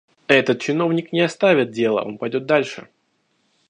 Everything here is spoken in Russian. Этот чиновник не оставит дела, он пойдет дальше.